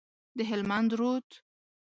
د هلمند رود،